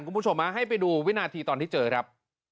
คุณผู้ชมให้ไปดูวินาทีตอนที่เจอครับ